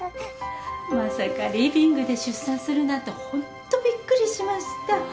まさかリビングで出産するなんてホントびっくりしました。